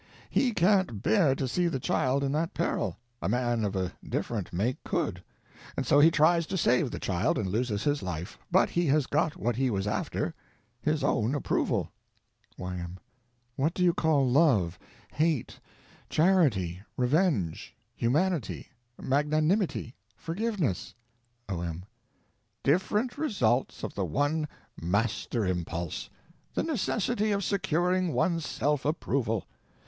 He can't bear to see the child in that peril (a man of a different make could), and so he tries to save the child, and loses his life. But he has got what he was after—his own approval. Y.M. What do you call Love, Hate, Charity, Revenge, Humanity, Magnanimity, Forgiveness? O.M. Different results of the one Master Impulse: the necessity of securing one's self approval.